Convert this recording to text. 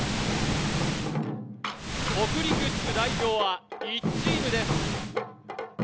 北陸地区代表は１チームです。